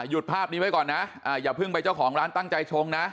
ภาพนี้ไว้ก่อนนะอย่าเพิ่งไปเจ้าของร้านตั้งใจชงนะ